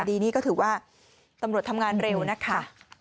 ดีนี้ก็ถือว่าตำรวจทำงานเร็วนะคะ